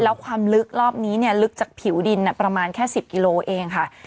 แล้วความลึกรอบนี้เนี่ยลึกจากผิวดินประมาณแค่๑๐กิโลเองค่ะ